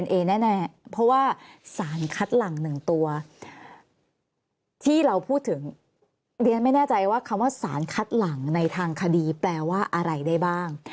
สารคัดหลัง๑ตัวที่เราพูดถึงเรียนไม่แน่ใจว่าคำว่าสารคัดหลังในทางคดีแปลว่าอะไรได้บ้าง